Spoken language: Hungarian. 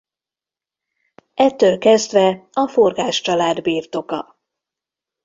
Ettől kezdve a Forgách család birtoka.